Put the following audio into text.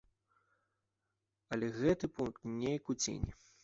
Але гэты пункт неяк у цені.